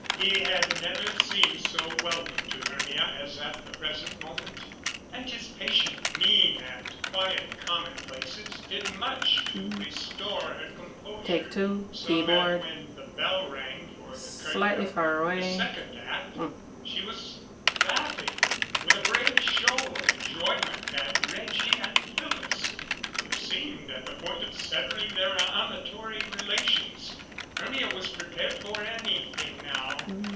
He had never seemed so welcome to Hermia as at the present moment, and his patient mien and quiet commonplaces did much to restore her composure; so 302 MRS. HAMMOND ENTERTAINS that when the bell rang for the curtain of the second act, she was laughing with a brave show of enjoyment at Reggie and Phyllis, who seemed at the point of severing their amatory relations. Hermia was prepared for any thing now.